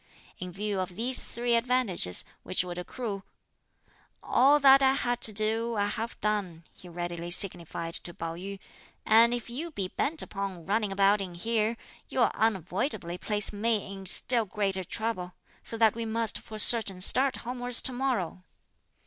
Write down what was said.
In view of these three advantages, which would accrue, "All that I had to do, I have done," she readily signified to Pao yü, "and if you be bent upon running about in here, you'll unavoidably place me in still greater trouble; so that we must for certain start homewards to morrow."